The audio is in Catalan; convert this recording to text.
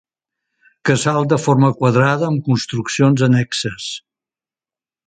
Casal de forma quadrada amb construccions annexes.